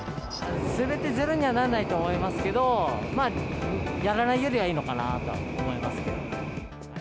ゼロにはならないと思いますけど、やらないよりはいいのかなとは思いますけど。